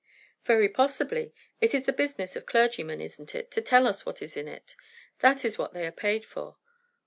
"Very possibly. It is the business of clergymen, isn't it, to tell us what is in it? That is what they are paid for.